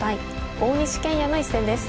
大西研也の一戦です。